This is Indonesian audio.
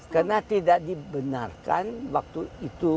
karena tidak dibenarkan waktu itu